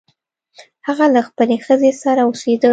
هغه له خپلې ښځې سره اوسیده.